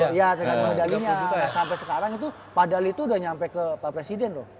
iya tergantung medalinya sampai sekarang itu pak dali tuh udah nyampe ke pak presiden loh